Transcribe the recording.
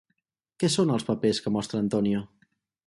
Què són els papers que mostra Antonio?